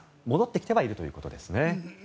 戻ってきてはいるということですね。